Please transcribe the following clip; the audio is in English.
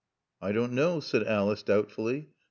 "I don't know," said Alice doubtfully.